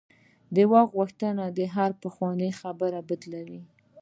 د واک غوښتنه هره پخوانۍ خبره بدلوي.